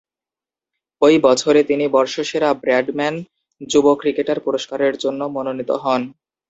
ঐ বছরে তিনি বর্ষসেরা ব্র্যাডম্যান যুব ক্রিকেটার পুরস্কারের জন্য মনোনীত হন।